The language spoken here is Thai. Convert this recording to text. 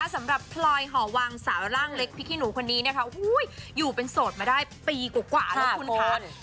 สำหรับพลอยห่อวังสาวร่างเล็กพริกขี้หนูคนนี้นะคะอยู่เป็นโสดมาได้ปีกว่าแล้วคุณคะ